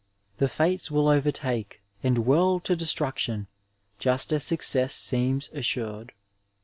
the Fates will overtake and whirl to destruction just as success serans assured.